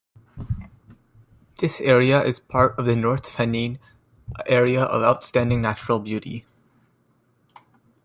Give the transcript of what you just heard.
This area is part of the North Pennine Area of Outstanding Natural Beauty.